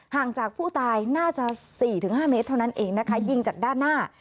ห่างจากผู้ตายน่าจะ๔๕เมตรเท่านั้นเองนะคะยิงจากด้านหน้า